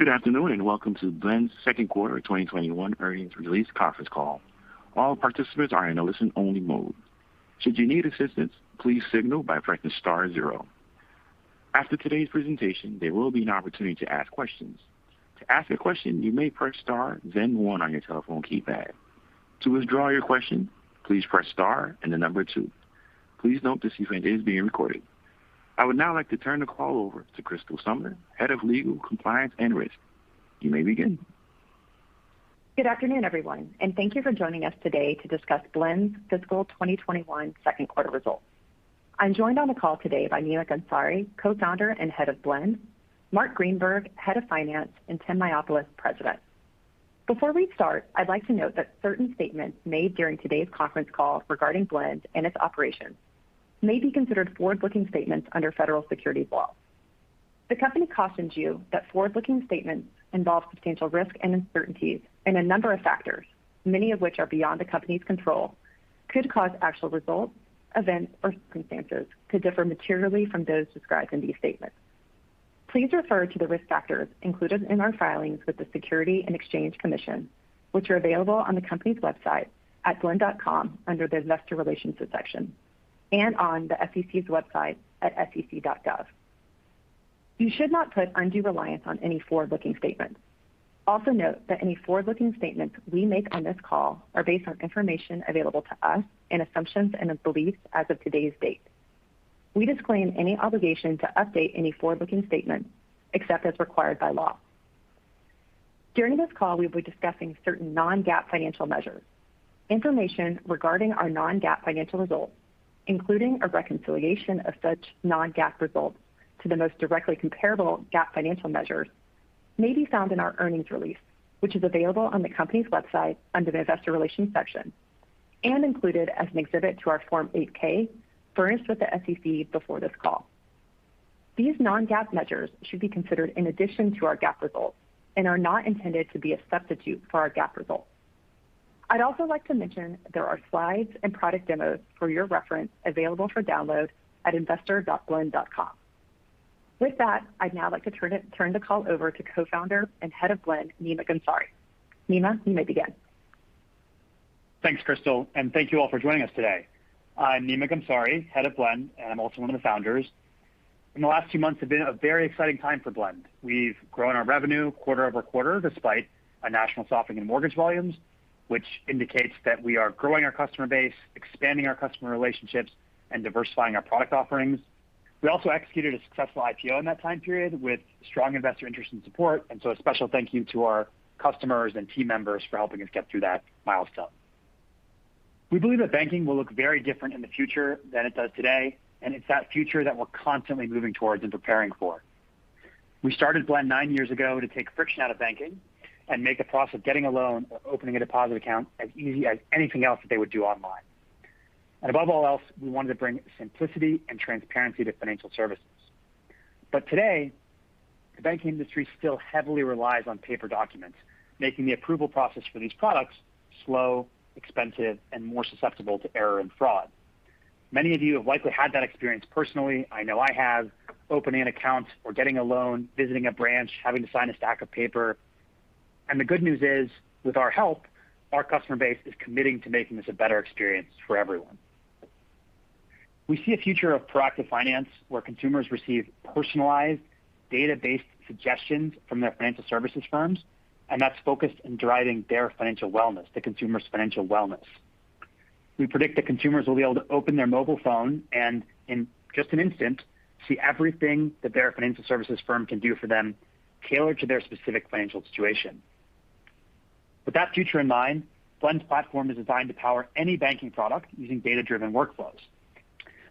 Good afternoon, and welcome to Blend's second quarter 2021 earnings release conference call. All participants are in a listen-only mode. Should you need assistance, please signal by pressing star zero. After today's presentation, there will be an opportunity to ask questions. To ask a question, you may press star, then one on your telephone keypad. To withdraw your question, please press star and the number two. Please note this event is being recorded. I would now like to turn the call over to Crystal Sumner, Head of Legal, Compliance and Risk. You may begin. Good afternoon, everyone, thank you for joining us today to discuss Blend's fiscal 2021 second quarter results. I'm joined on the call today by Nima Ghamsari, Co-Founder and Head of Blend, Marc Greenberg, Head of Finance, and Tim Mayopoulos, President. Before we start, I'd like to note that certain statements made during today's conference call regarding Blend and its operations may be considered forward-looking statements under federal securities laws. The company cautions you that forward-looking statements involve substantial risk and uncertainties and a number of factors, many of which are beyond the company's control, could cause actual results, events, or circumstances to differ materially from those described in these statements. Please refer to the risk factors included in our filings with the Securities and Exchange Commission, which are available on the company's website at blend.com under the investor relations section and on the SEC's website at sec.gov. You should not put undue reliance on any forward-looking statements. Also note that any forward-looking statements we make on this call are based on information available to us and assumptions and beliefs as of today's date. We disclaim any obligation to update any forward-looking statements except as required by law. During this call, we will be discussing certain non-GAAP financial measures. Information regarding our non-GAAP financial results, including a reconciliation of such non-GAAP results to the most directly comparable GAAP financial measures, may be found in our earnings release, which is available on the company's website under the investor relations section and included as an exhibit to our Form 8-K furnished with the SEC before this call. These non-GAAP measures should be considered in addition to our GAAP results and are not intended to be a substitute for our GAAP results. I'd also like to mention there are slides and product demos for your reference available for download at investor.blend.com. With that, I'd now like to turn the call over to Co-Founder and Head of Blend, Nima Ghamsari. Nima, you may begin. Thanks, Crystal, thank you all for joining us today. I'm Nima Ghamsari, Head of Blend, and I'm also one of the Founders. The last few months have been a very exciting time for Blend. We've grown our revenue quarter-over-quarter despite a national softening in mortgage volumes, which indicates that we are growing our customer base, expanding our customer relationships, and diversifying our product offerings. We also executed a successful IPO in that time period with strong investor interest and support. A special thank you to our customers and team members for helping us get through that milestone. We believe that banking will look very different in the future than it does today, and it's that future that we're constantly moving towards and preparing for. We started Blend nine years ago to take friction out of banking and make the process of getting a loan or opening a deposit account as easy as anything else that they would do online. Above all else, we wanted to bring simplicity and transparency to financial services. Today, the banking industry still heavily relies on paper documents, making the approval process for these products slow, expensive, and more susceptible to error and fraud. Many of you have likely had that experience personally. I know I have. Opening an account or getting a loan, visiting a branch, having to sign a stack of paper. The good news is, with our help, our customer base is committing to making this a better experience for everyone. We see a future of proactive finance where consumers receive personalized data-based suggestions from their financial services firms, and that's focused on driving their financial wellness, the consumer's financial wellness. We predict that consumers will be able to open their mobile phone and in just an instant, see everything that their financial services firm can do for them, tailored to their specific financial situation. With that future in mind, Blend's platform is designed to power any banking product using data-driven workflows.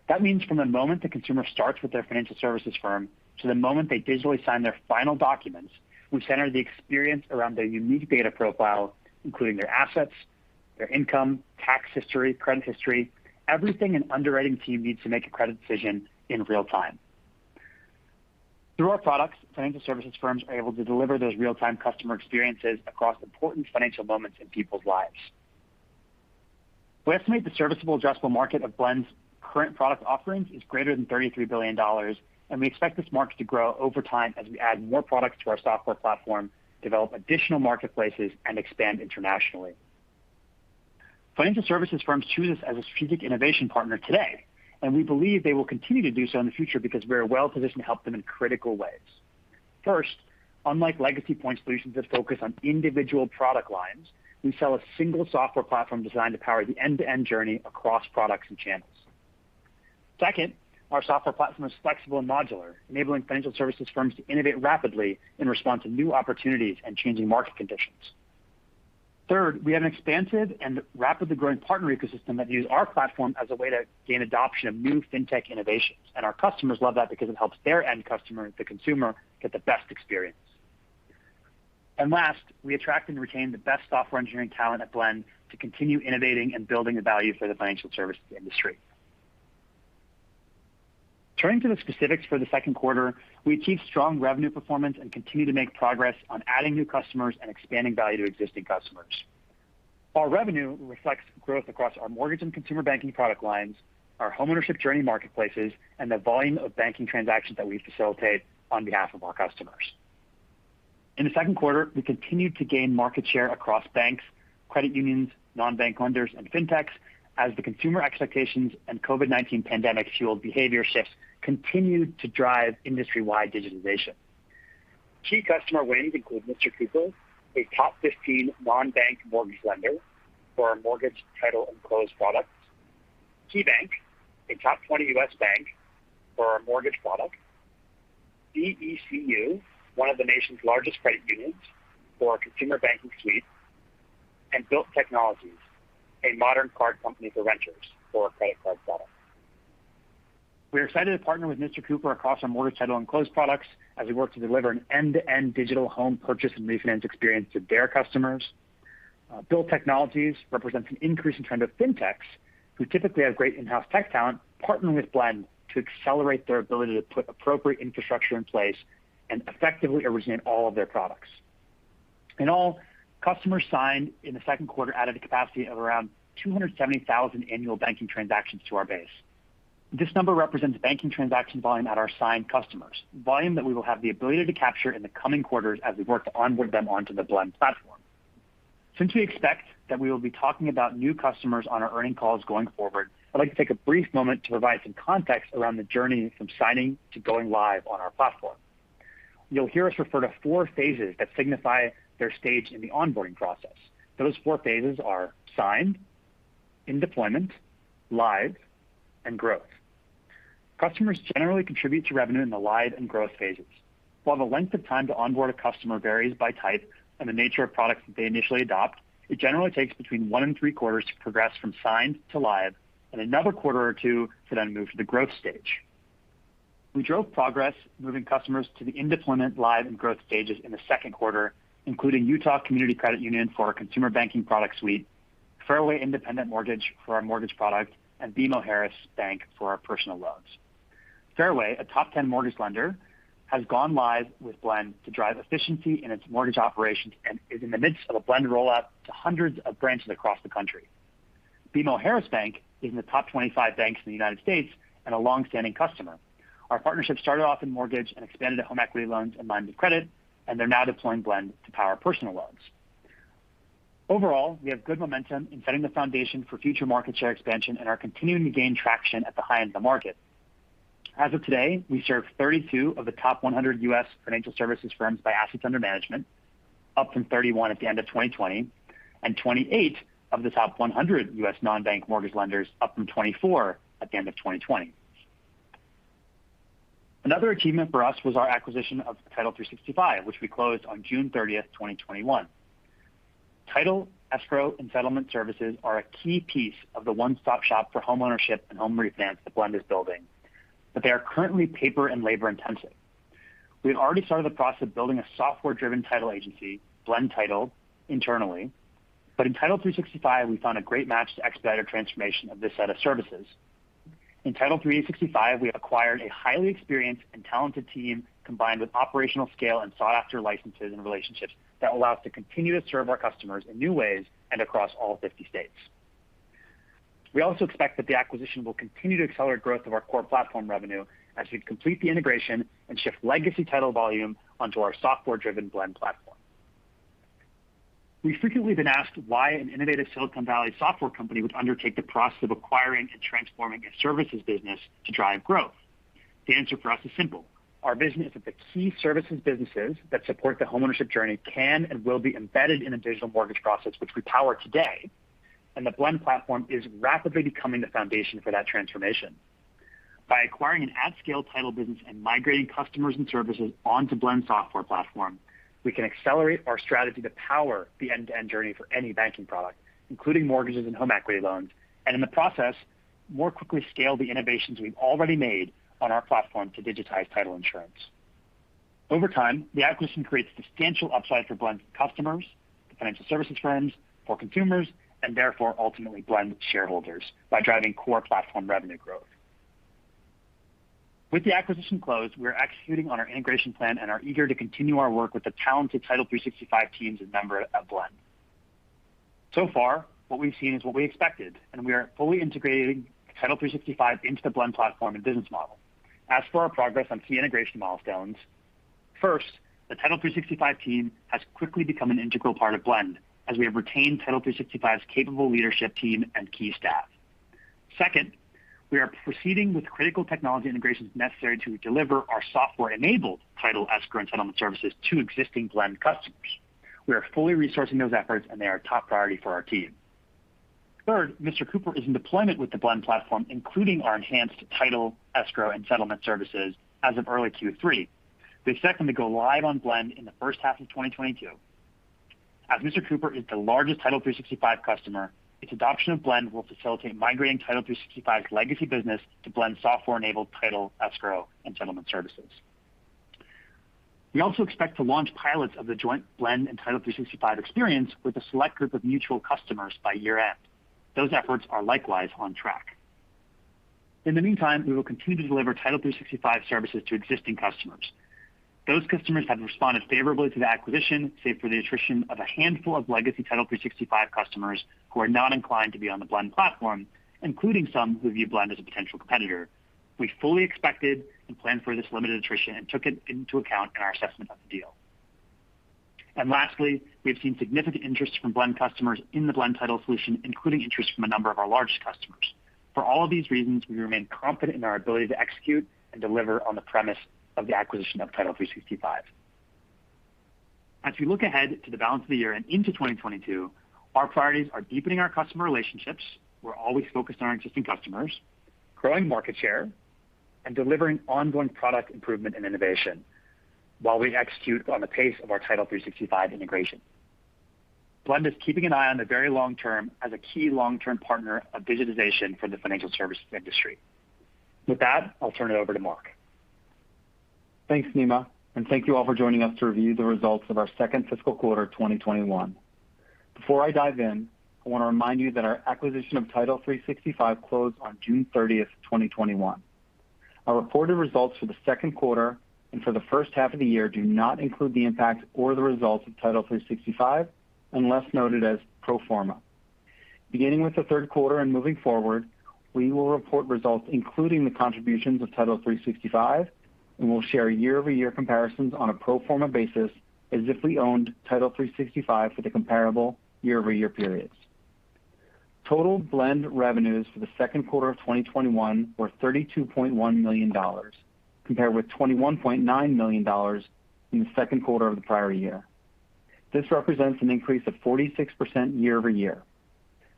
That means from the moment the consumer starts with their financial services firm to the moment they digitally sign their final documents, we center the experience around their unique data profile, including their assets, their income, tax history, credit history, everything an underwriting team needs to make a credit decision in real-time. Through our products, financial services firms are able to deliver those real-time customer experiences across important financial moments in people's lives. We estimate the serviceable addressable market of Blend's current product offerings is greater than $33 billion. And we expect this market to grow over time as we add more products to our software platform, develop additional marketplaces, and expand internationally. Financial services firms choose us as a strategic innovation partner today, and we believe they will continue to do so in the future because we are well-positioned to help them in critical ways. First, unlike legacy point solutions that focus on individual product lines, we sell a single software platform designed to power the end-to-end journey across products and channels. Second, our software platform is flexible and modular, enabling financial services firms to innovate rapidly in response to new opportunities and changing market conditions. Third, we have an expansive and rapidly growing partner ecosystem that use our platform as a way to gain adoption of new fintech innovations, and our customers love that because it helps their end customer, the consumer, get the best experience. Last, we attract and retain the best software engineering talent at Blend to continue innovating and building the value for the financial services industry. Turning to the specifics for the second quarter, we achieved strong revenue performance and continue to make progress on adding new customers and expanding value to existing customers. Our revenue reflects growth across our mortgage and consumer banking product lines, our homeownership journey marketplaces, and the volume of banking transactions that we facilitate on behalf of our customers. In the second quarter, we continued to gain market share across banks, credit unions, non-bank lenders, and fintechs as the consumer expectations and COVID-19 pandemic fueled behavior shifts continued to drive industry-wide digitization. Key customer wins include Mr. Cooper, a top 15 non-bank mortgage lender for our mortgage title and close product, KeyBank, a top 20 U.S. bank for our mortgage product, BECU, one of the nation's largest credit unions, for our consumer banking suite, and Bilt Technologies, a modern card company for renters for our credit card product. We are excited to partner with Mr. Cooper across our mortgage title and close products as we work to deliver an end-to-end digital home purchase and refinance experience to their customers. Bilt Technologies represents an increasing trend of fintechs who typically have great in-house tech talent partnering with Blend to accelerate their ability to put appropriate infrastructure in place and effectively originate all of their products. In all, customers signed in the second quarter added a capacity of around 270,000 annual banking transactions to our base. This number represents banking transaction volume at our signed customers, volume that we will have the ability to capture in the coming quarters as we work to onboard them onto the Blend platform. Since we expect that we will be talking about new customers on our earning calls going forward, I'd like to take a brief moment to provide some context around the journey from signing to going live on our platform. You'll hear us refer to four phases that signify their stage in the onboarding process. Those four phases are signed, in deployment, live, and growth. Customers generally contribute to revenue in the live and growth phases. While the length of time to onboard a customer varies by type and the nature of products that they initially adopt, it generally takes between one and three quarters to progress from signed to live, and another quarter or two to then move to the growth stage. We drove progress moving customers to the in-deployment, live, and growth stages in the second quarter, including Utah Community Credit Union for our consumer banking product suite, Fairway Independent Mortgage for our mortgage product, and BMO Harris Bank for our personal loans. Fairway, a top 10 mortgage lender, has gone live with Blend to drive efficiency in its mortgage operations and is in the midst of a Blend rollout to hundreds of branches across the country. BMO Harris Bank is in the top 25 banks in the United States and a longstanding customer. Our partnership started off in mortgage and expanded to home equity loans and lines of credit, and they're now deploying Blend to power personal loans. Overall, we have good momentum in setting the foundation for future market share expansion and are continuing to gain traction at the high end of the market. As of today, we serve 32 of the top 100 U.S. financial services firms by assets under management, up from 31 at the end of 2020, and 28 of the top 100 U.S. non-bank mortgage lenders, up from 24 at the end of 2020. Another achievement for us was our acquisition of Title365, which we closed on June 30, 2021. Title, escrow, and settlement services are a key piece of the one-stop shop for homeownership and home refinance that Blend is building, but they are currently paper and labor-intensive. We have already started the process of building a software-driven title agency, Blend Title, internally. In Title365, we found a great match to expedite our transformation of this set of services. In Title365, we acquired a highly experienced and talented team, combined with operational scale and sought-after licenses and relationships that allow us to continue to serve our customers in new ways and across all 50 states. We also expect that the acquisition will continue to accelerate growth of our core platform revenue as we complete the integration and shift legacy title volume onto our software-driven Blend platform. We've frequently been asked why an innovative Silicon Valley software company would undertake the process of acquiring and transforming a services business to drive growth. The answer for us is simple. Our vision is that the key services businesses that support the homeownership journey can and will be embedded in a digital mortgage process, which we power today, and the Blend platform is rapidly becoming the foundation for that transformation. By acquiring an at-scale title business and migrating customers and services onto Blend platform, we can accelerate our strategy to power the end-to-end journey for any banking product, including mortgages and home equity loans, and in the process, more quickly scale the innovations we've already made on our platform to digitize title insurance. Over time, the acquisition creates substantial upside for Blend customers, financial services firms, for consumers, and therefore, ultimately Blend shareholders by driving core platform revenue growth. With the acquisition closed, we are executing on our integration plan and are eager to continue our work with the talented Title365 teams as members of Blend. So far, what we've seen is what we expected, and we are fully integrating Title365 into the Blend platform and business model. As for our progress on key integration milestones, first, the Title365 team has quickly become an integral part of Blend, as we have retained Title365's capable leadership team and key staff. Second, we are proceeding with critical technology integrations necessary to deliver our software-enabled title, escrow, and settlement services to existing Blend customers. We are fully resourcing those efforts, and they are top priority for our team. Third, Mr. Cooper is in deployment with the Blend platform, including our enhanced title, escrow, and settlement services as of early Q3. We expect them to go live on Blend in the first half of 2022. As Mr. Cooper is the largest Title365 customer, its adoption of Blend will facilitate migrating Title365's legacy business to Blend software-enabled title, escrow, and settlement services. We also expect to launch pilots of the joint Blend and Title365 experience with a select group of mutual customers by year-end. Those efforts are likewise on track. In the meantime, we will continue to deliver Title365 services to existing customers. Those customers have responded favorably to the acquisition, save for the attrition of a handful of legacy Title365 customers who are not inclined to be on the Blend platform, including some who view Blend as a potential competitor. We fully expected and planned for this limited attrition and took it into account in our assessment of the deal. Lastly, we've seen significant interest from Blend customers in the Blend Title solution, including interest from a number of our largest customers. For all of these reasons, we remain confident in our ability to execute and deliver on the premise of the acquisition of Title365. We look ahead to the balance of the year and into 2022, our priorities are deepening our customer relationships. We're always focused on our existing customers, growing market share, and delivering ongoing product improvement and innovation while we execute on the pace of our Title365 integration. Blend is keeping an eye on the very long term as a key long-term partner of digitization for the financial services industry. That, I'll turn it over to Marc. Thanks, Nima. Thank you all for joining us to review the results of our second fiscal quarter 2021. Before I dive in, I want to remind you that our acquisition of Title365 closed on June 30th, 2021. Our reported results for the second quarter and for the first half of the year do not include the impact or the results of Title365, unless noted as pro forma. Beginning with the third quarter and moving forward, we will report results, including the contributions of Title365, and we'll share year-over-year comparisons on a pro forma basis as if we owned Title365 for the comparable year-over-year periods. Total Blend revenues for the second quarter of 2021 were $32.1 million, compared with $21.9 million in the second quarter of the prior year. This represents an increase of 46% year-over-year.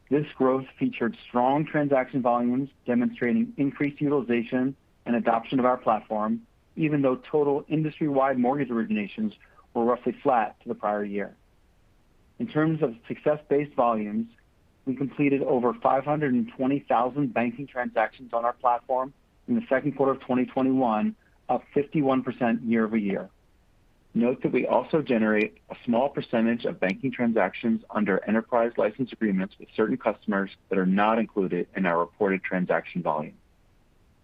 This growth featured strong transaction volumes, demonstrating increased utilization and adoption of our platform, even though total industry-wide mortgage originations were roughly flat to the prior year. In terms of success-based volumes, we completed over 520,000 banking transactions on our platform in the second quarter of 2021, up 51% year-over-year. Note that we also generate a small % of banking transactions under enterprise license agreements with certain customers that are not included in our reported transaction volume.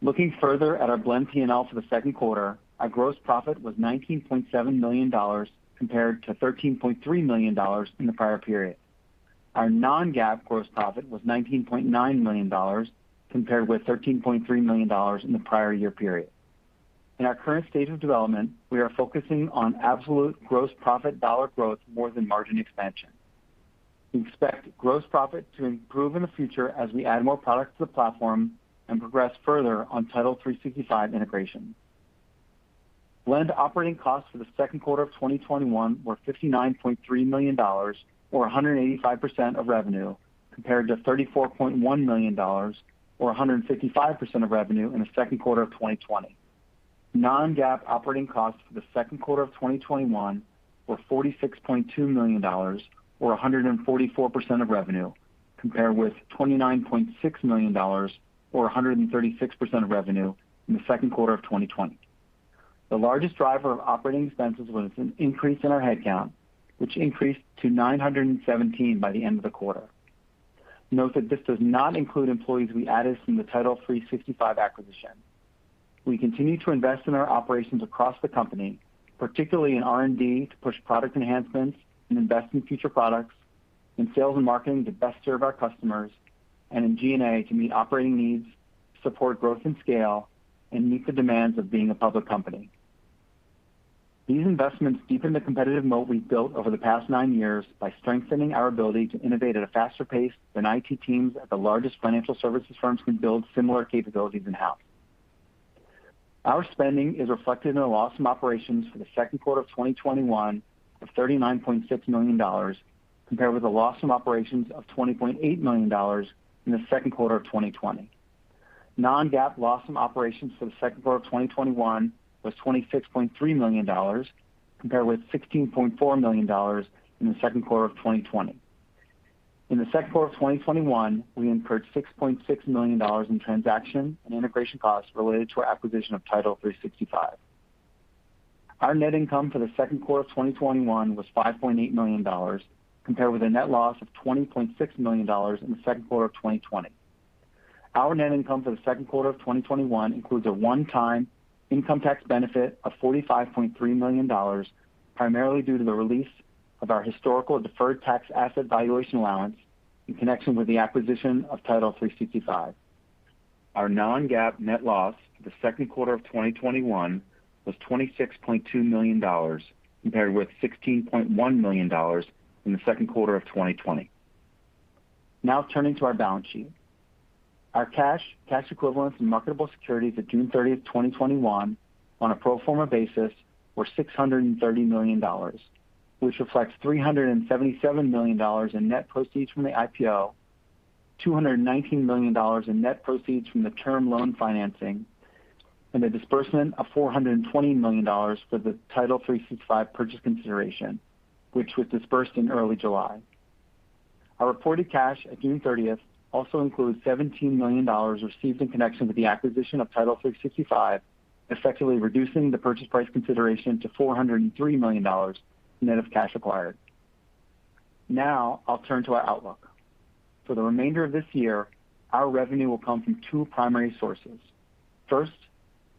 Looking further at our Blend P&L for the second quarter, our gross profit was $19.7 million compared to $13.3 million in the prior period. Our non-GAAP gross profit was $19.9 million compared with $13.3 million in the prior year period. In our current state of development, we are focusing on absolute gross profit dollar growth more than margin expansion. We expect gross profit to improve in the future as we add more products to the platform and progress further on Title365 integration. Blend operating costs for the second quarter of 2021 were $59.3 million, or 185% of revenue, compared to $34.1 million, or 155% of revenue in the second quarter of 2020. Non-GAAP operating costs for the second quarter of 2021 were $46.2 million, or 144% of revenue, compared with $29.6 million, or 136% of revenue in the second quarter of 2020. The largest driver of operating expenses was an increase in our headcount, which increased to 917 by the end of the quarter. Note that this does not include employees we added from the Title365 acquisition. We continue to invest in our operations across the company, particularly in R&D, to push product enhancements and invest in future products, in sales and marketing to best serve our customers, and in G&A to meet operating needs, support growth and scale, and meet the demands of being a public company. These investments deepen the competitive moat we've built over the past nine years by strengthening our ability to innovate at a faster pace than IT teams at the largest financial services firms can build similar capabilities in-house. Our spending is reflected in a loss from operations for the second quarter of 2021 of $39.6 million, compared with a loss from operations of $20.8 million in the second quarter of 2020. Non-GAAP loss from operations for the second quarter of 2021 was $26.3 million, compared with $16.4 million in the second quarter of 2020. In the second quarter of 2021, we incurred $6.6 million in transaction and integration costs related to our acquisition of Title365. Our net income for the second quarter of 2021 was $5.8 million, compared with a net loss of $20.6 million in the second quarter of 2020. Our net income for the second quarter of 2021 includes a one-time income tax benefit of $45.3 million, primarily due to the release of our historical deferred tax asset valuation allowance in connection with the acquisition of Title365. Our non-GAAP net loss for the second quarter of 2021 was $26.2 million, compared with $16.1 million in the second quarter of 2020. Turning to our balance sheet. Our cash equivalents, and marketable securities at June 30th, 2021 on a pro forma basis were $630 million, which reflects $377 million in net proceeds from the IPO, $219 million in net proceeds from the term loan financing, and a disbursement of $420 million for the Title365 purchase consideration, which was disbursed in early July. Our reported cash at June 30th also includes $17 million received in connection with the acquisition of Title365, effectively reducing the purchase price consideration to $403 million net of cash acquired. Now I'll turn to our outlook. For the remainder of this year, our revenue will come from two primary sources. First,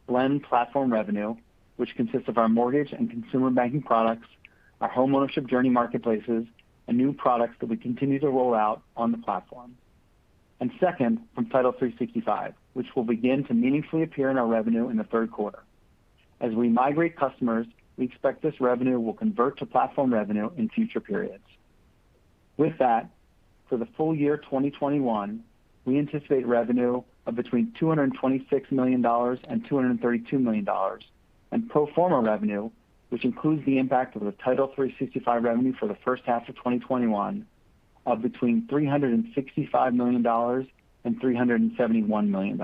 Blend platform revenue, which consists of our mortgage and consumer banking products, our homeownership journey marketplaces, and new products that we continue to roll out on the platform. Second, from Title 365, which will begin to meaningfully appear in our revenue in the third quarter. As we migrate customers, we expect this revenue will convert to platform revenue in future periods. With that, for the full year 2021, we anticipate revenue of between $226 million and $232 million, and pro forma revenue, which includes the impact of the Title 365 revenue for the first half of 2021, of between $365 million and $371 million.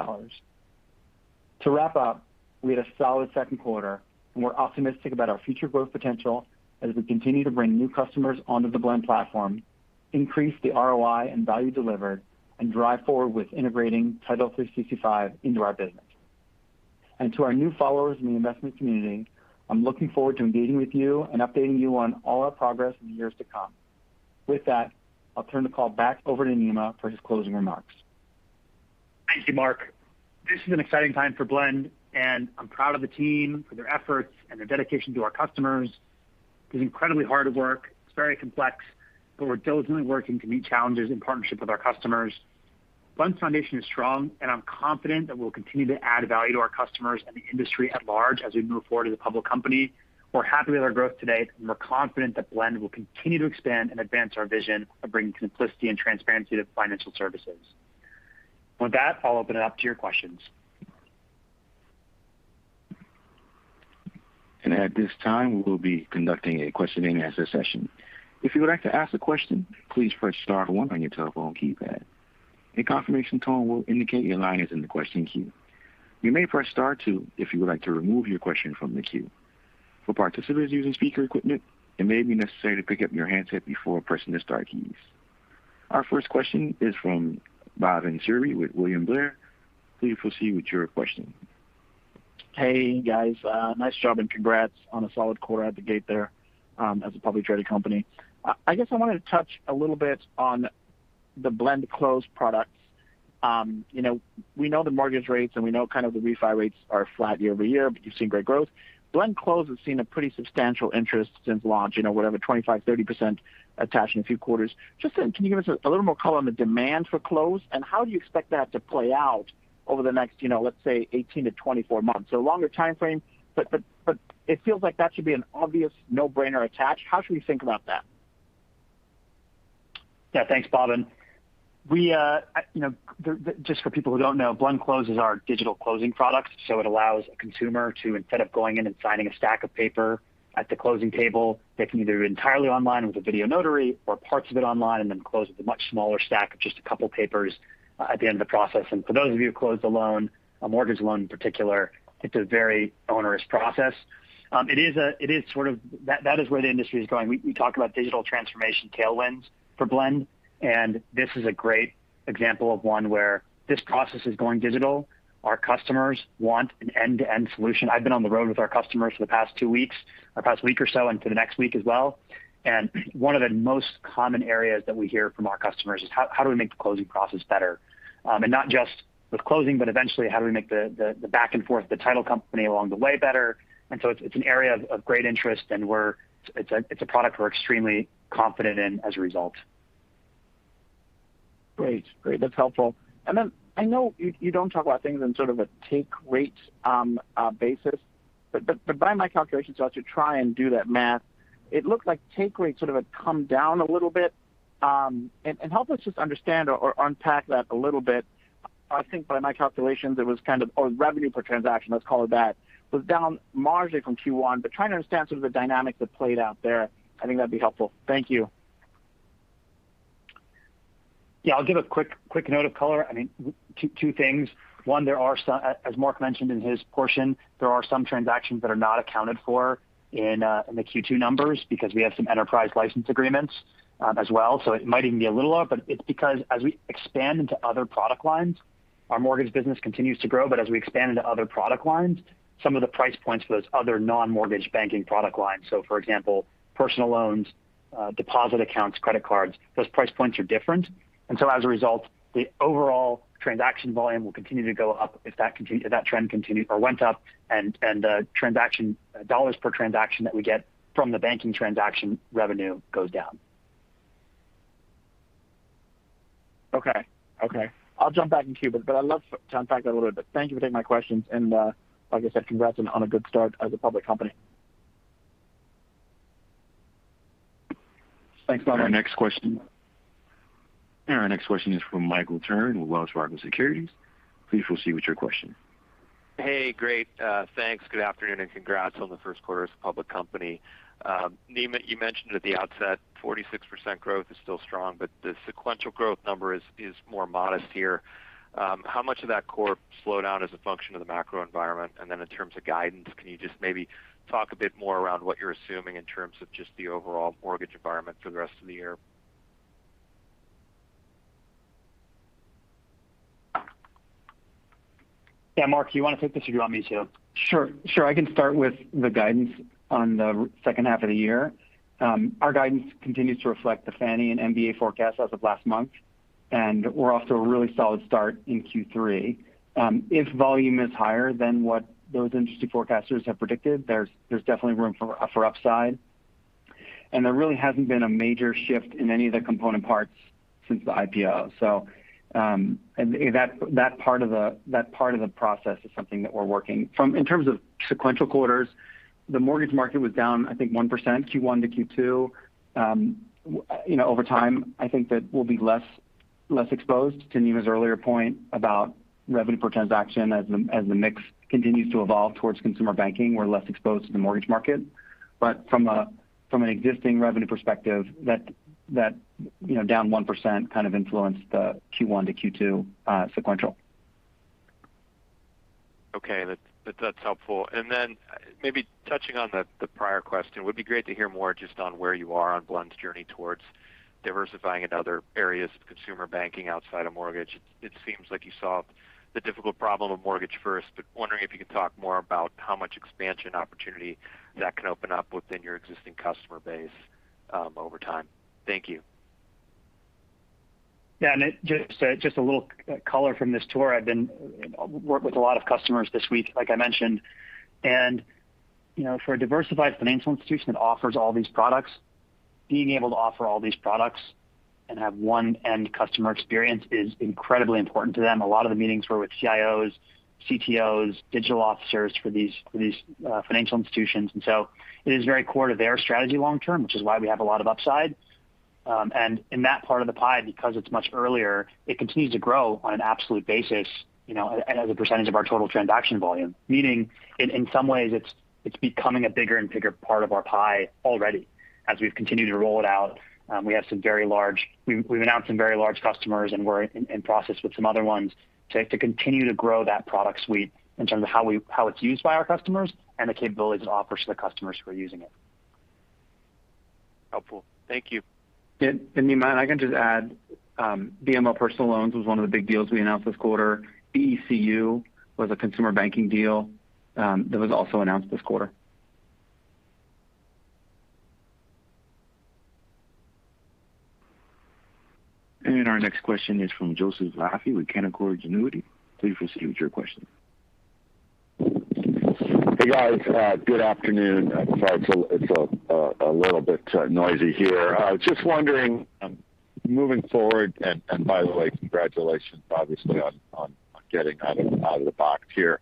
To wrap up, we had a solid second quarter, and we're optimistic about our future growth potential as we continue to bring new customers onto the Blend platform, increase the ROI and value delivered, and drive forward with integrating Title 365 into our business. To our new followers in the investment community, I'm looking forward to engaging with you and updating you on all our progress in the years to come. With that, I'll turn the call back over to Nima for his closing remarks. Thank you, Marc. This is an exciting time for Blend, and I'm proud of the team for their efforts and their dedication to our customers. It is incredibly hard work. It's very complex. We're diligently working to meet challenges in partnership with our customers. Blend's foundation is strong, and I'm confident that we'll continue to add value to our customers and the industry at large as we move forward as a public company. We're happy with our growth today, and we're confident that Blend will continue to expand and advance our vision of bringing simplicity and transparency to financial services. With that, I'll open it up to your questions. Our first question is from Bhavin Suri with William Blair. Please proceed with your question. Hey, guys. Nice job, congrats on a solid quarter out the gate there, as a public traded company. I guess I wanted to touch a little bit on the Blend Close products. We know the mortgage rates, and we know kind of the refi rates are flat year-over-year, but you've seen great growth. Blend Close has seen a pretty substantial interest since launch, whatever, 25%, 30% attached in a few quarters. Just in, can you give us a little more color on the demand for Close, and how do you expect that to play out over the next, let's say 18 months-24 months? A longer timeframe, but it feels like that should be an obvious no-brainer attach. How should we think about that? Yeah. Thanks, Bhavin. Just for people who don't know, Blend Close is our digital closing product. It allows a consumer to, instead of going in and signing a stack of paper at the closing table, they can either do it entirely online with a video notary, or parts of it online, and then close with a much smaller stack of just a couple of papers at the end of the process. For those of you who've closed a loan, a mortgage loan in particular, it's a very onerous process. That is where the industry is going. We talk about digital transformation tailwinds for Blend, and this is a great example of one where this process is going digital. Our customers want an end-to-end solution. I've been on the road with our customers for the past two weeks, or past week or so, and for the next week as well, and one of the most common areas that we hear from our customers is how do we make the closing process better? Not just with closing, but eventually, how do we make the back and forth with the title company along the way better? It's an area of great interest, and it's a product we're extremely confident in as a result. Great. That's helpful. I know you don't talk about things in sort of a take rate basis, but by my calculations, though, to try and do that math, it looked like take rate sort of had come down a little bit. Help us just understand or unpack that a little bit. I think by my calculations, it was kind of, or revenue per transaction, let's call it that. It was down marginally from Q1, but trying to understand sort of the dynamics that played out there. I think that'd be helpful. Thank you. Yeah. I'll give a quick note of color. Two things. One, as Marc mentioned in his portion, there are some transactions that are not accounted for in the Q2 numbers because we have some enterprise license agreements as well, so it might even be a little lower. It's because as we expand into other product lines, our mortgage business continues to grow. As we expand into other product lines, some of the price points for those other non-mortgage banking product lines, so for example, personal loans, deposit accounts, credit cards, those price points are different. As a result, the overall transaction volume will continue to go up if that trend continues or went up, and dollars per transaction that we get from the banking transaction revenue goes down. Okay. I'll jump back in queue, but I'd love to unpack that a little bit. Thank you for taking my questions, and like I said, congrats on a good start as a public company. Thanks, Bhavin. Our next question is from Michael Turrin with Wells Fargo Securities. Please proceed with your question. Hey. Great. Thanks. Good afternoon, and congrats on the first quarter as a public company. Nima, you mentioned at the outset 46% growth is still strong. The sequential growth number is more modest here. How much of that core slowdown is a function of the macro environment? Then in terms of guidance, can you just maybe talk a bit more around what you're assuming in terms of just the overall mortgage environment for the rest of the year? Marc, do you want to take this or do you want me to? Sure. I can start with the guidance on the second half of the year. Our guidance continues to reflect the Fannie and MBA forecast as of last month, and we're off to a really solid start in Q3. If volume is higher than what those industry forecasters have predicted, there's definitely room for upside. There really hasn't been a major shift in any of the component parts since the IPO. That part of the process is something that we're working. In terms of sequential quarters, the mortgage market was down, I think, 1% Q1-Q2. Over time, I think that we'll be less exposed to Nima's earlier point about revenue per transaction as the mix continues to evolve towards consumer banking. We're less exposed to the mortgage market. From an existing revenue perspective, that down 1% kind of influenced the Q1-Q2 sequential. Okay. That's helpful. Then maybe touching on the prior question, would be great to hear more just on where you are on Blend's journey towards diversifying in other areas of consumer banking outside of mortgage. It seems like you solved the difficult problem of mortgage first, but wondering if you could talk more about how much expansion opportunity that can open up within your existing customer base over time. Thank you. Yeah. Just a little color from this tour. I've been working with a lot of customers this week, like I mentioned. For a diversified financial institution that offers all these products, being able to offer all these products and have one end customer experience is incredibly important to them. A lot of the meetings were with CIOs, CTOs, digital officers for these financial institutions. It is very core to their strategy long term, which is why we have a lot of upside. In that part of the pie, because it's much earlier, it continues to grow on an absolute basis, as a percentage of our total transaction volume. Meaning, in some ways, it's becoming a bigger and bigger part of our pie already as we've continued to roll it out. We've announced some very large customers and we're in process with some other ones to continue to grow that product suite in terms of how it's used by our customers and the capabilities it offers to the customers who are using it. Helpful. Thank you. Nima, I can just add, BMO Personal Loans was one of the big deals we announced this quarter. BECU was a consumer banking deal that was also announced this quarter. Our next question is from Joseph Vafi with Canaccord Genuity. Please proceed with your question. Hey, guys. Good afternoon. Sorry, it's a little bit noisy here. Just wondering, moving forward, and by the way, congratulations, obviously, on getting out of the box here.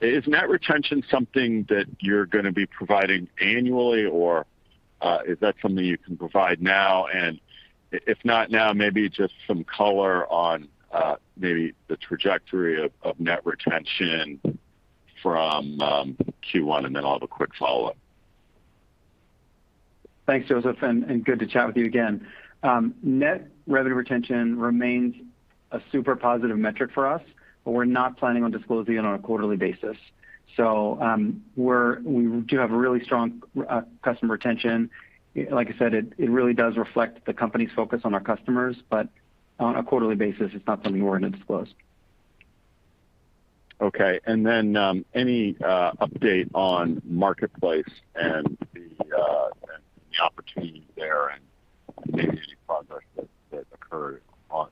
Is net retention something that you're going to be providing annually, or is that something you can provide now? If not now, maybe just some color on maybe the trajectory of net retention from Q1, and then I'll have a quick follow-up? Thanks, Joseph, good to chat with you again. Net revenue retention remains a super positive metric for us, we're not planning on disclosing it on a quarterly basis. We do have a really strong customer retention. Like I said, it really does reflect the company's focus on our customers, on a quarterly basis, it's not something we're going to disclose. Okay. Any update on Marketplace and the opportunity there and maybe any progress that occurred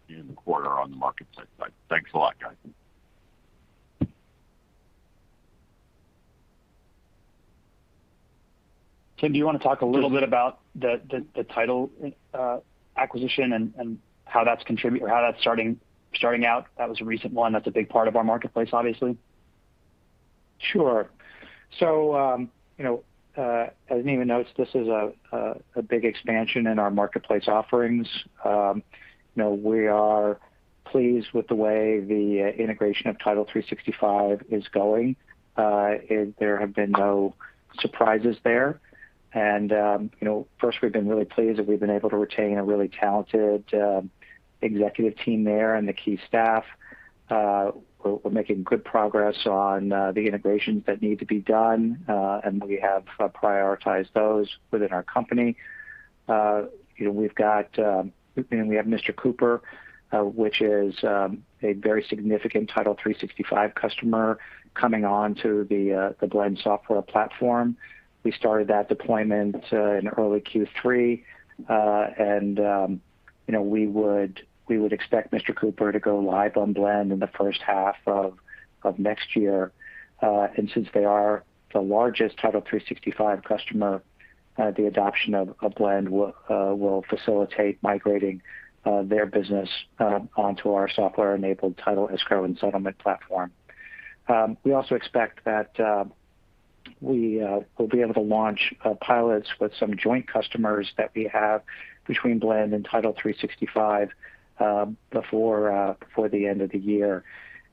in the quarter on the Marketplace side? Thanks a lot, guys. Tim, do you want to talk a little bit about the Title365 acquisition and how that's starting out? That was a recent one. That's a big part of our marketplace, obviously. Sure. As Nima notes, this is a big expansion in our marketplace offerings. We are pleased with the way the integration of Title365 is going. There have been no surprises there. First, we've been really pleased that we've been able to retain a really talented executive team there and the key staff. We're making good progress on the integrations that need to be done and we have prioritized those within our company. We have Mr. Cooper, which is a very significant Title365 customer coming onto the Blend software platform. We started that deployment in early Q3. We would expect Mr. Cooper to go live on Blend in the first half of next year. Since they are the largest Title365 customer the adoption of Blend will facilitate migrating their business onto our software-enabled title, escrow, and settlement platform. We also expect that we will be able to launch pilots with some joint customers that we have between Blend and Title365 before the end of the year.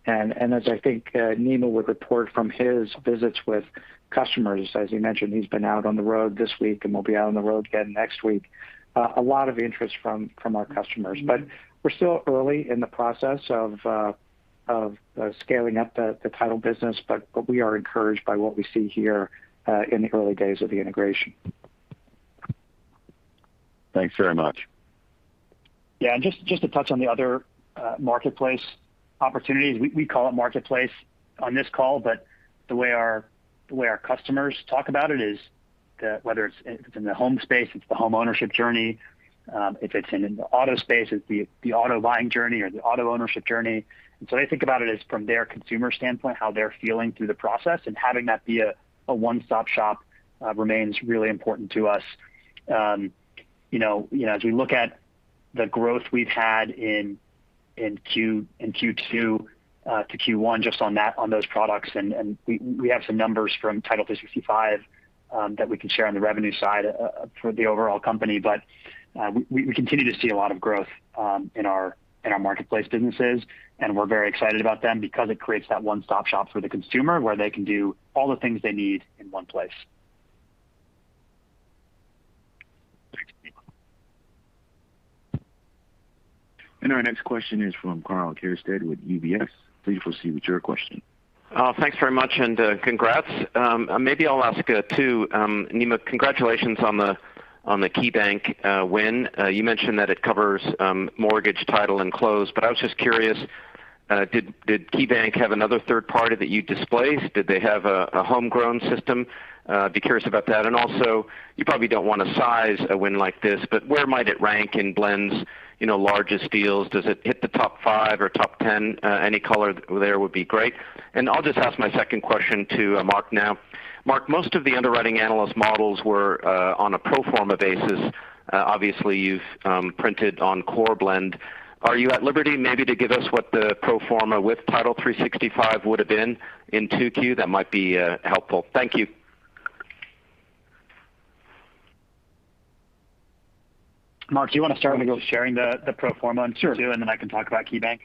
As I think Nima would report from his visits with customers, as he mentioned, he's been out on the road this week and will be out on the road again next week. A lot of interest from our customers. We're still early in the process of scaling up the Title business, but we are encouraged by what we see here in the early days of the integration. Thanks very much. Yeah. Just to touch on the other marketplace opportunities. We call it marketplace on this call, but the way our customers talk about it is, whether it's in the home space, it's the homeownership journey. If it's in the auto space, it's the auto buying journey or the auto ownership journey. They think about it as from their consumer standpoint, how they're feeling through the process, and having that be a one-stop shop remains really important to us. As we look at the growth we've had in Q2 to Q1 just on those products, and we have some numbers from Title365 that we can share on the revenue side for the overall company. We continue to see a lot of growth in our marketplace businesses, and we're very excited about them because it creates that one-stop shop for the consumer where they can do all the things they need in one place. Our next question is from Karl Keirstead with UBS. Please proceed with your question. Thanks very much, and congrats. Maybe I'll ask two. Nima, congratulations on the KeyBank win. You mentioned that it covers mortgage, title, and close, but I was just curious, did KeyBank have another third party that you displaced? Did they have a homegrown system? Be curious about that. Also, you probably don't want to size a win like this, but where might it rank in Blend's largest deals? Does it hit the top five or top 10? Any color there would be great. I'll just ask my second question to Marc now. Marc, most of the underwriting analyst models were on a pro forma basis. Obviously, you've printed on core Blend. Are you at liberty maybe to give us what the pro forma with Title365 would've been in 2Q? That might be helpful. Thank you. Marc, do you want to start with sharing the pro forma on 2Q? Sure. I can talk about KeyBank?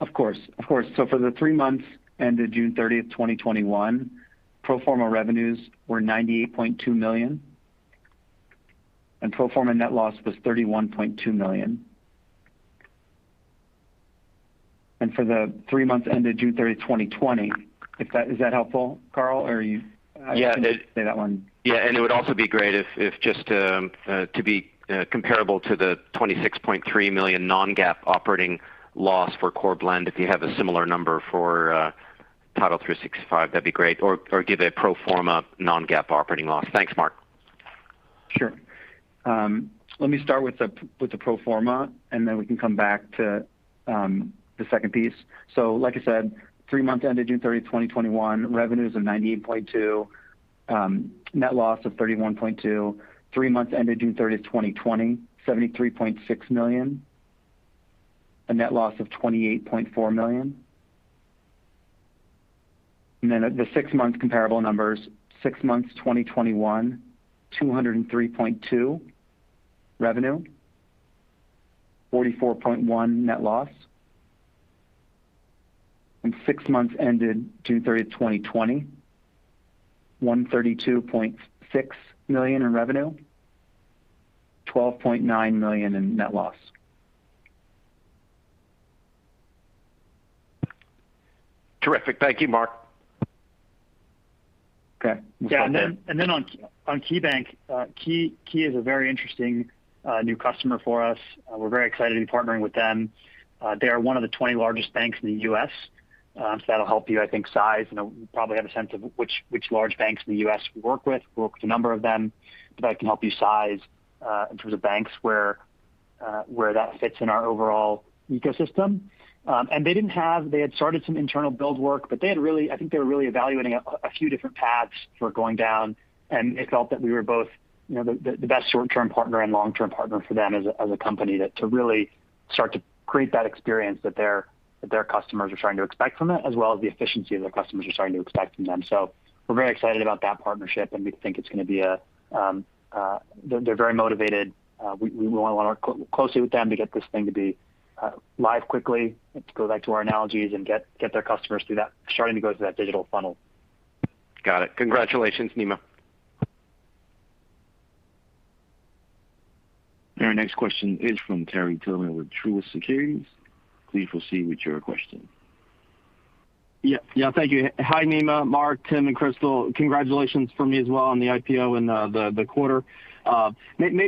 Of course. For the three months ended June 30th, 2021, pro forma revenues were $98.2 million, and pro forma net loss was $31.2 million. For the three months ended June 30, 2020. Is that helpful, Karl? Yeah. Say that one. Yeah. It would also be great if just to be comparable to the $26.3 million non-GAAP operating loss for core Blend, if you have a similar number for Title365, that'd be great? Or give a pro forma non-GAAP operating loss? Thanks, Marc. Sure. Let me start with the pro forma, and then we can come back to the second piece. Like I said, three months ended June 30th, 2021, revenues of $98.2. Net loss of $31.2. Three months ended June 30th, 2020, $73.6 million. A net loss of $28.4 million. The six-month comparable numbers. Six months 2021, $203.2 revenue. $44.1 net loss. Six months ended June 30th, 2020, $132.6 million in revenue. $12.9 million in net loss. Terrific. Thank you, Marc. Okay. On KeyBank. KeyBank is a very interesting new customer for us. We're very excited to be partnering with them. They are one of the 20 largest banks in the U.S. That'll help you, I think, size. You probably have a sense of which large banks in the U.S. we work with. We work with a number of them, but that can help you size, in terms of banks, where that fits in our overall ecosystem. They had started some internal build work, but I think they were really evaluating a few different paths for going down. They felt that we were both the best short-term partner and long-term partner for them as a company to really start to create that experience that their customers are starting to expect from it, as well as the efficiency that their customers are starting to expect from them. We're very excited about that partnership, and we think they're very motivated. We want to work closely with them to get this thing to be live quickly. To go back to our analogies and get their customers starting to go through that digital funnel. Got it. Congratulations, Nima. Our next question is from Terry Tillman with Truist Securities. Please proceed with your question. Yeah. Thank you. Hi, Nima, Marc, Tim, and Crystal. Congratulations from me as well on the IPO and the quarter. Actually,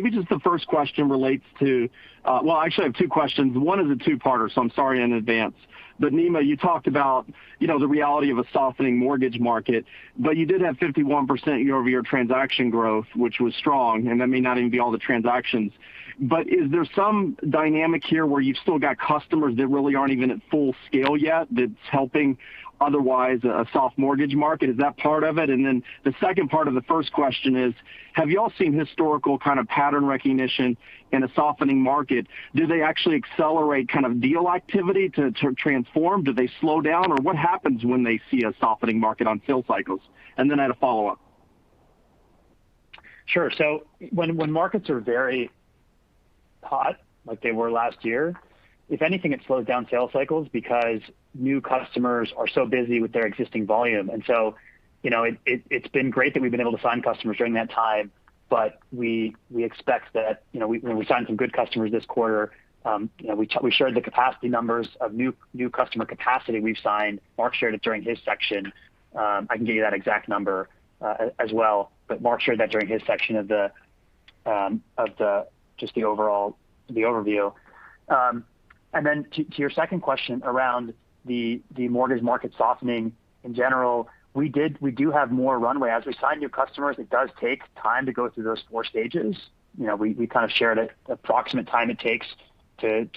I have two questions. One is a two-parter, I'm sorry in advance. Nima, you talked about the reality of a softening mortgage market, you did have 51% year-over-year transaction growth, which was strong, and that may not even be all the transactions. Is there some dynamic here where you've still got customers that really aren't even at full scale yet that's helping otherwise a soft mortgage market? Is that part of it? The second part of the first question is, have you all seen historical kind of pattern recognition in a softening market? Do they actually accelerate kind of deal activity to transform? Do they slow down, or what happens when they see a softening market on sales cycles? I had a follow-up. Sure. When markets are very hot like they were last year, if anything, it slows down sales cycles because new customers are so busy with their existing volume. It's been great that we've been able to sign customers during that time, but we expect that we've signed some good customers this quarter. We shared the capacity numbers of new customer capacity we've signed. Marc shared it during his section. I can give you that exact number as well. Marc shared that during his section of just the overview. To your second question around the mortgage market softening in general, we do have more runway. As we sign new customers, it does take time to go through those four stages. We shared the approximate time it takes to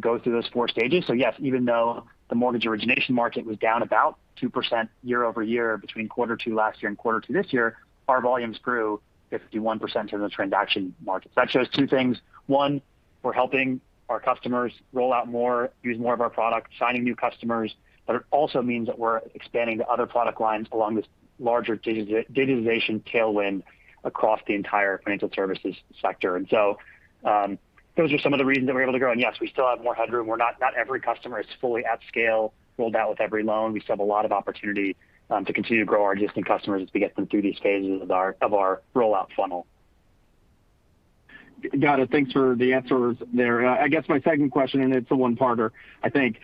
go through those four stages. Yes, even though the mortgage origination market was down about 2% year-over-year between quarter two last year and quarter two this year, our volumes grew 51% in the transaction market. That shows two things. One, we're helping our customers roll out more, use more of our product, signing new customers. It also means that we're expanding to other product lines along this larger digitization tailwind across the entire financial services sector. Those are some of the reasons that we're able to grow. Yes, we still have more headroom. Not every customer is fully at scale, rolled out with every loan. We still have a lot of opportunity to continue to grow our existing customers as we get them through these stages of our rollout funnel. Got it. Thanks for the answers there. I guess my second question, it's a one parter, I think.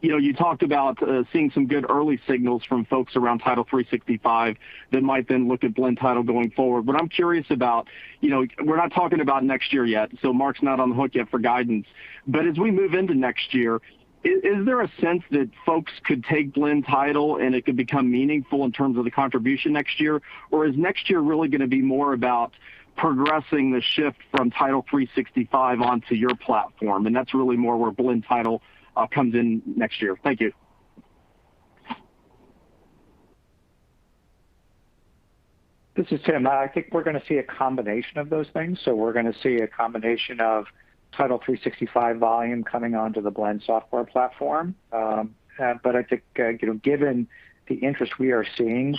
You talked about seeing some good early signals from folks around Title365 that might then look at Blend Title going forward. I'm curious about, we're not talking about next year yet, so Marc's not on the hook yet for guidance. As we move into next year, is there a sense that folks could take Blend Title and it could become meaningful in terms of the contribution next year? Or is next year really going to be more about progressing the shift from Title365 onto your platform, and that's really more where Blend Title comes in next year? Thank you. This is Tim. I think we're going to see a combination of those things. We're going to see a combination of Title365 volume coming onto the Blend platform. I think, given the interest we are seeing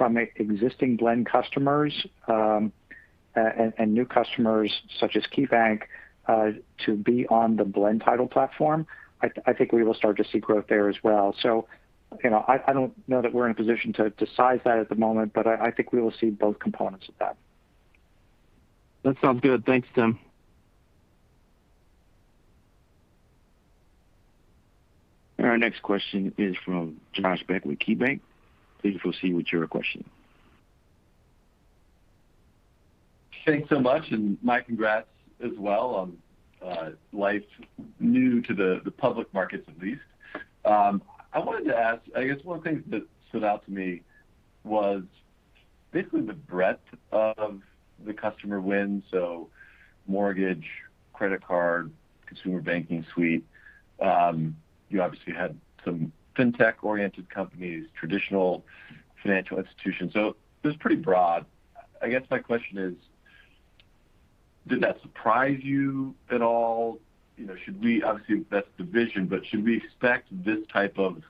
from existing Blend customers, and new customers such as KeyBank, to be on the Blend Title platform, I think we will start to see growth there as well. I don't know that we're in a position to size that at the moment, but I think we will see both components of that. That sounds good. Thanks, Tim. Our next question is from Josh Beck with KeyBanc Capital Markets. Please proceed with your question. Thanks so much. My congrats as well on life new to the public markets at least. I wanted to ask, I guess one of the things that stood out to me was basically the breadth of the customer wins. Mortgage, credit card, consumer banking suite. You obviously had some fintech-oriented companies, traditional financial institutions, so it was pretty broad. I guess my question is, did that surprise you at all? Obviously, that's the vision. Should we expect this type of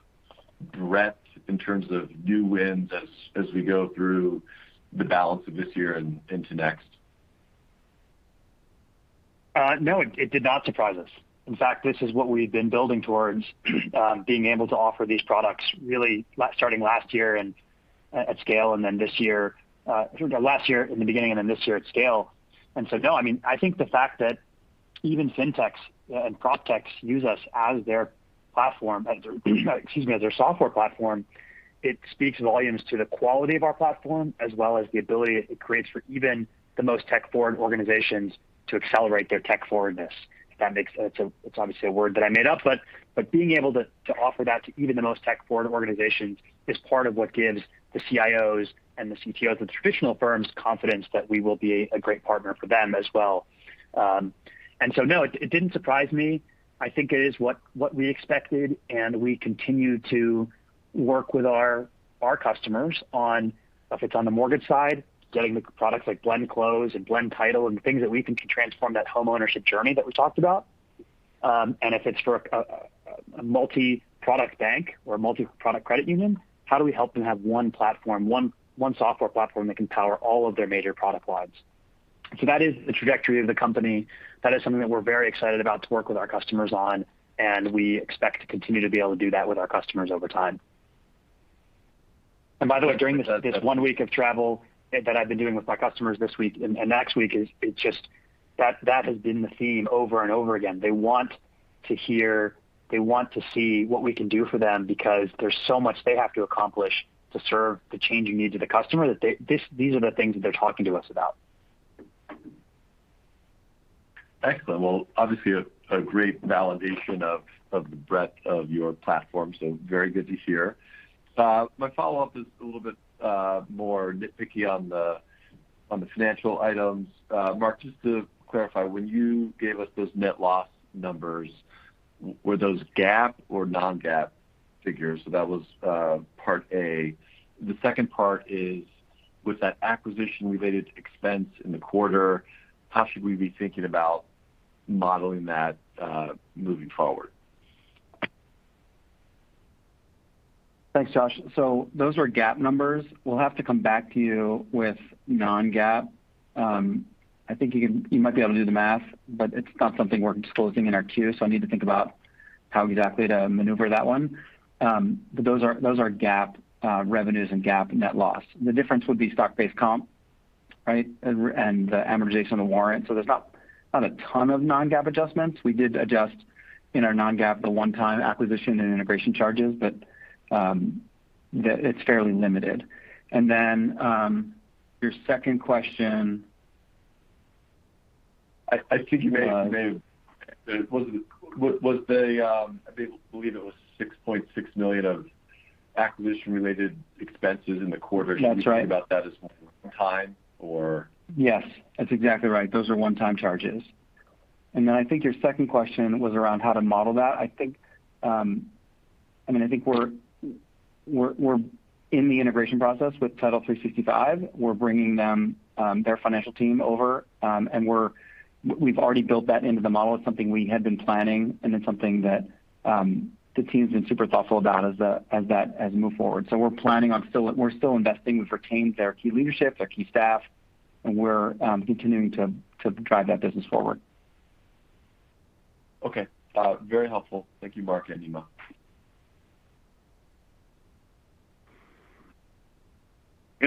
breadth in terms of new wins as we go through the balance of this year and into next? No, it did not surprise us. In fact, this is what we've been building towards, being able to offer these products really starting last year at scale, and then this year. Last year in the beginning, and then this year at scale. No, I think the fact that even fintechs and proptechs use us as their platform, excuse me, as their software platform, it speaks volumes to the quality of our platform, as well as the ability it creates for even the most tech-forward organizations to accelerate their tech-forwardness. It's obviously a word that I made up. Being able to offer that to even the most tech-forward organizations is part of what gives the CIOs and the CTOs of the traditional firms confidence that we will be a great partner for them as well. No, it didn't surprise me. I think it is what we expected, and we continue to work with our customers on, if it's on the mortgage side, getting the products like Blend Close and Blend Title and things that we think can transform that homeownership journey that we talked about. If it's for a multi-product bank or a multi-product credit union, how do we help them have one platform, one software platform that can power all of their major product lines? That is the trajectory of the company. That is something that we're very excited about to work with our customers on, and we expect to continue to be able to do that with our customers over time. By the way, during this one week of travel that I've been doing with my customers this week and next week, that has been the theme over and over again. They want to hear, they want to see what we can do for them because there's so much they have to accomplish to serve the changing needs of the customer that these are the things that they're talking to us about. Excellent. Well, obviously a great validation of the breadth of your platform, so very good to hear. My follow-up is a little bit more nitpicky on the financial items. Marc, just to clarify, when you gave us those net loss numbers, were those GAAP or non-GAAP figures? That was part A. The second part is, with that acquisition-related expense in the quarter, how should we be thinking about modeling that moving forward? Thanks, Josh. Those were GAAP numbers. We'll have to come back to you with non-GAAP. I think you might be able to do the math, but it's not something we're disclosing in our Q. I need to think about how exactly to maneuver that one. Those are GAAP revenues and GAAP net loss. The difference would be stock-based comp, right? The amortization of the warrant. There's not a ton of non-GAAP adjustments. We did adjust in our non-GAAP the one-time acquisition and integration charges. That it's fairly limited. Your second question- I believe it was $6.6 million of acquisition-related expenses in the quarter? That's right. Should we think about that as one time or? Yes, that's exactly right. Those are one-time charges. I think your second question was around how to model that. I think we're in the integration process with Title365. We're bringing their financial team over. We've already built that into the model. It's something we had been planning and it's something that the team's been super thoughtful about as we move forward. We're planning on still investing. We've retained their key leadership, their key staff, and we're continuing to drive that business forward. Okay. Very helpful. Thank you, Marc and Nima.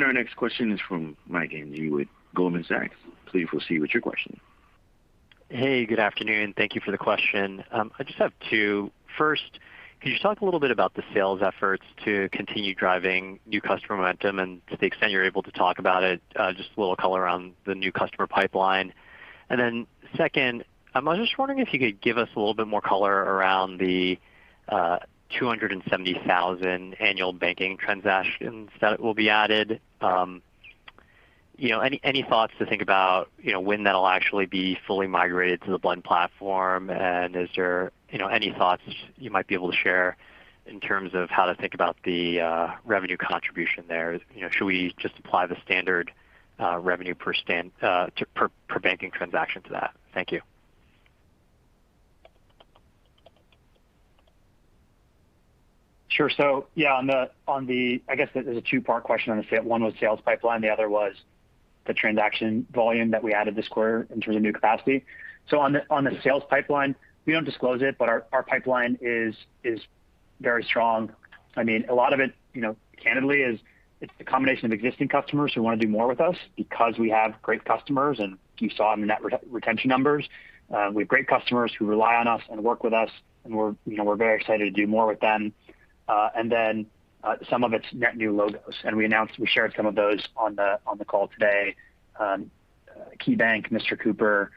Our next question is from Mike Ng with Goldman Sachs. Please proceed with your question. Hey, good afternoon. Thank you for the question. I just have two. First, could you talk a little bit about the sales efforts to continue driving new customer momentum, and to the extent you're able to talk about it, just a little color on the new customer pipeline. Then second, I was just wondering if you could give us a little bit more color around the 270,000 annual banking transactions that will be added. Any thoughts to think about when that'll actually be fully migrated to the Blend platform and is there any thoughts you might be able to share in terms of how to think about the revenue contribution there? Should we just apply the standard revenue per banking transaction to that? Thank you. Sure. I guess there's a two-part question on the sale. One was sales pipeline, the other was the transaction volume that we added this quarter in terms of new capacity. On the sales pipeline, we don't disclose it, but our pipeline is very strong. A lot of it, candidly, is it's the combination of existing customers who want to do more with us because we have great customers, and you saw the net retention numbers. We have great customers who rely on us and work with us, and we're very excited to do more with them. Then some of it's net new logos. We shared some of those on the call today. KeyBank, Mr. Cooper,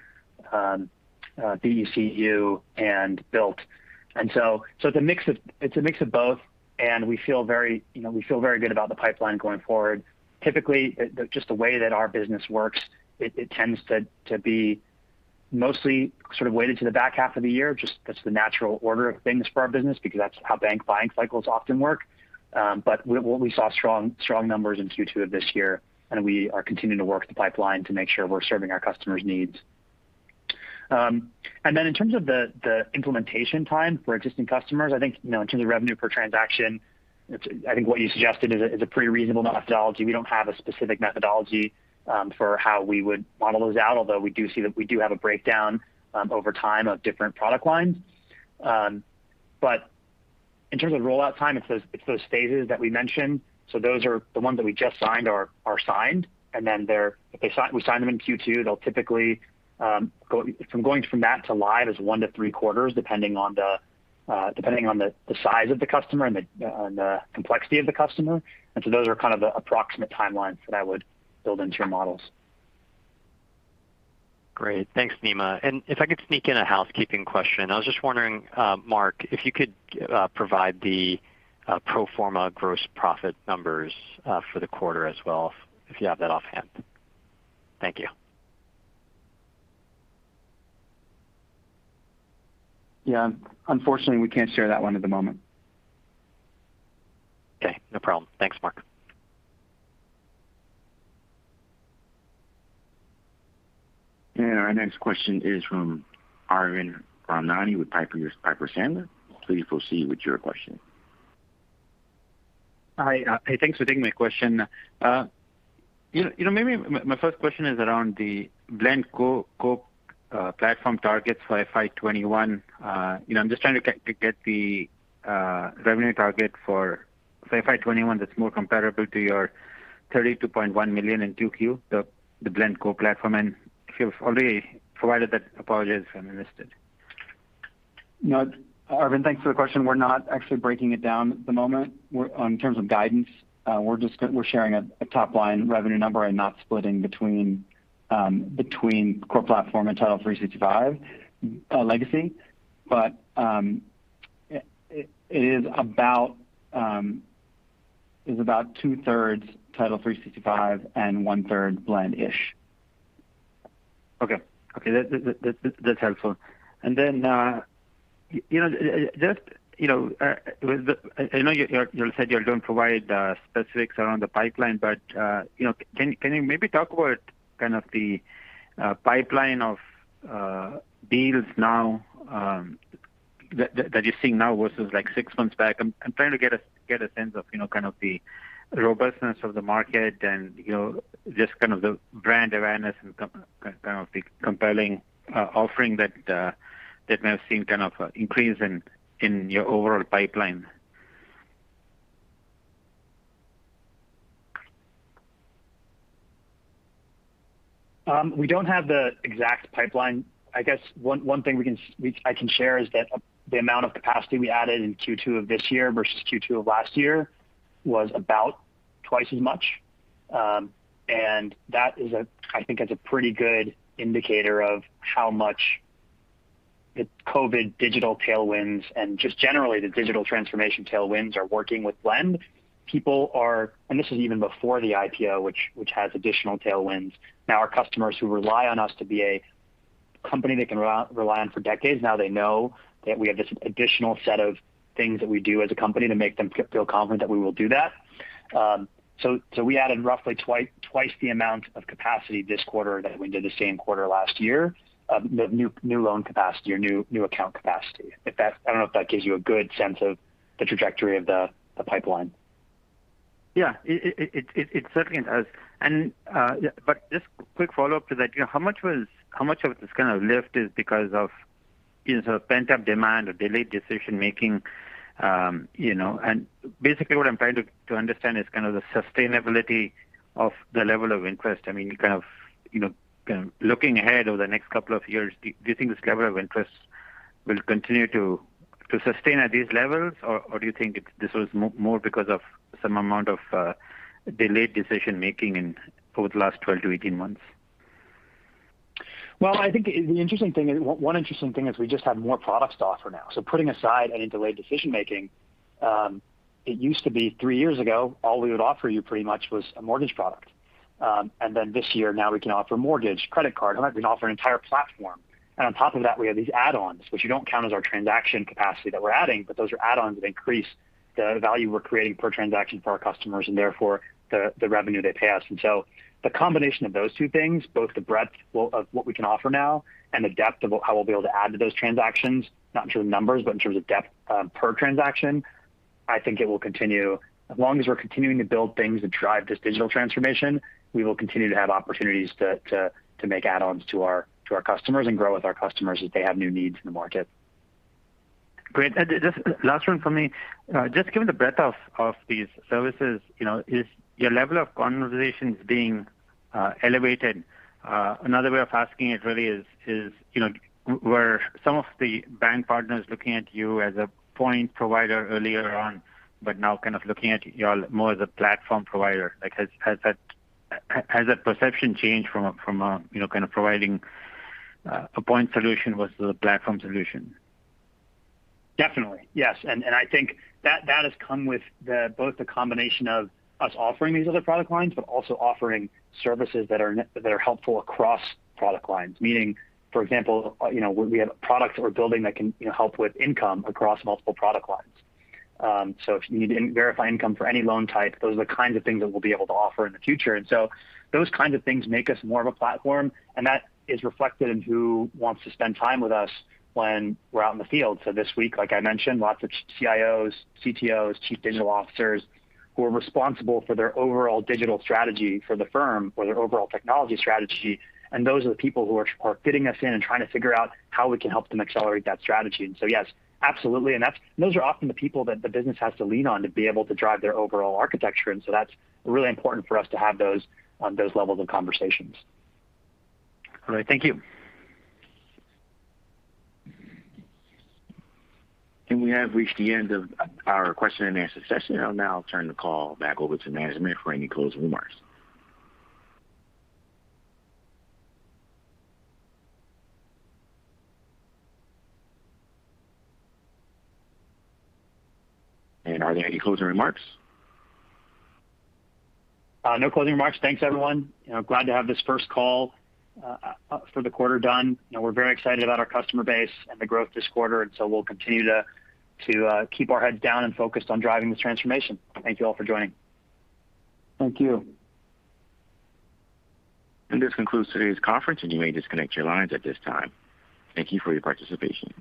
BECU, and Bilt. It's a mix of both and we feel very good about the pipeline going forward. Typically, just the way that our business works, it tends to be mostly sort of weighted to the back half of the year. Just that's the natural order of things for our business because that's how bank buying cycles often work. We saw strong numbers in Q2 of this year and we are continuing to work the pipeline to make sure we're serving our customers' needs. In terms of the implementation time for existing customers, I think in terms of revenue per transaction, I think what you suggested is a pretty reasonable methodology. We don't have a specific methodology for how we would model those out, although we do see that we do have a breakdown over time of different product lines. In terms of rollout time, it's those stages that we mentioned. The ones that we just signed are signed, and then we sign them in Q2. From going from that to live is one to three quarters, depending on the size of the customer and the complexity of the customer. Those are kind of the approximate timelines that I would build into your models. Great. Thanks, Nima. If I could sneak in a housekeeping question, I was just wondering, Marc, if you could provide the pro forma gross profit numbers for the quarter as well, if you have that offhand? Thank you. Yeah. Unfortunately, we can't share that one at the moment. Okay, no problem. Thanks, Marc. Our next question is from Arvind Ramnani with Piper Sandler. Please proceed with your question. Hi. Hey, thanks for taking my question. My first question is around the Blend platform targets for FY 2021. I'm just trying to get the revenue target for FY 2021 that's more comparable to your $32.1 million in 2Q, the Blend platform? If you've already provided that, apologies, I missed it. Arvind, thanks for the question. We're not actually breaking it down at the moment. In terms of guidance, we're sharing a top-line revenue number and not splitting between core platform and Title365 legacy. It is about 2/3 Title365 and 1/3 Blend-ish. Okay. That's helpful. I know you said you don't provide specifics around the pipeline, but can you maybe talk about kind of the pipeline of deals now that you're seeing now versus like six months back? I'm trying to get a sense of kind of the robustness of the market and just kind of the brand awareness and kind of the compelling offering that may have seen kind of an increase in your overall pipeline. We don't have the exact pipeline. I guess one thing I can share is that the amount of capacity we added in Q2 of this year versus Q2 of last year was about twice as much. That is, I think, is a pretty good indicator of how much the COVID digital tailwinds and just generally the digital transformation tailwinds are working with Blend. People are, this is even before the IPO, which has additional tailwinds. Now our customers who rely on us to be a company they can rely on for decades, now they know that we have this additional set of things that we do as a company to make them feel confident that we will do that. We added roughly twice the amount of capacity this quarter than we did the same quarter last year of new loan capacity or new account capacity. I don't know if that gives you a good sense of the trajectory of the pipeline. Yeah. It certainly does. Just a quick follow-up to that. How much of this kind of lift is because of pent-up demand or delayed decision-making? Basically what I'm trying to understand is kind of the sustainability of the level of interest. Looking ahead over the next couple of years, do you think this level of interest will continue to sustain at these levels? Do you think this was more because of some amount of delayed decision-making in both the last 12 months-18 months? I think one interesting thing is we just have more products to offer now. Putting aside any delayed decision-making, it used to be three years ago, all we would offer you pretty much was a mortgage product. This year, now we can offer mortgage, credit card, we can offer an entire platform. On top of that, we have these add-ons, which you don't count as our transaction capacity that we're adding, but those are add-ons that increase the value we're creating per transaction for our customers and therefore the revenue they pay us. The combination of those two things, both the breadth of what we can offer now and the depth of how we'll be able to add to those transactions, not in terms of numbers, but in terms of depth per transaction, I think it will continue. As long as we're continuing to build things that drive this digital transformation, we will continue to have opportunities to make add-ons to our customers and grow with our customers as they have new needs in the market. Great. Just last one from me. Just given the breadth of these services, is your level of conversations being elevated? Another way of asking it really is, were some of the bank partners looking at you as a point provider earlier on, but now kind of looking at you all more as a platform provider? Has that perception changed from kind of providing a point solution versus a platform solution? Definitely, yes. I think that has come with both the combination of us offering these other product lines, but also offering services that are helpful across product lines. Meaning, for example, we have a product that we're building that can help with income across multiple product lines. If you need to verify income for any loan type, those are the kinds of things that we'll be able to offer in the future. Those kinds of things make us more of a platform, and that is reflected in who wants to spend time with us when we're out in the field. This week, like I mentioned, lots of CIOs, CTOs, Chief Digital Officers who are responsible for their overall digital strategy for the firm or their overall technology strategy. Those are the people who are fitting us in and trying to figure out how we can help them accelerate that strategy. Yes, absolutely. Those are often the people that the business has to lean on to be able to drive their overall architecture. That's really important for us to have those on those levels of conversations. All right. Thank you. We have reached the end of our question and answer session. I'll now turn the call back over to management for any closing remarks. Are there any closing remarks? No closing remarks. Thanks, everyone. Glad to have this first call for the quarter done. We're very excited about our customer base and the growth this quarter, and so we'll continue to keep our heads down and focused on driving the transformation. Thank you all for joining. Thank you. This concludes today's conference, and you may disconnect your lines at this time. Thank you for your participation.